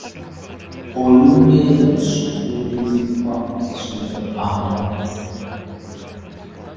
Olungereza lusukkulumizibwa mu masomero agamu.